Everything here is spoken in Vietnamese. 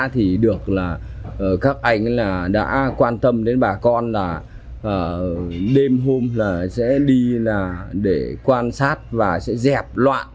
thì được là các anh đã quan tâm đến bà con là đêm hôm là sẽ đi là để quan sát và sẽ dẹp loạn